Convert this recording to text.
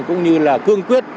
cũng như là cương quyết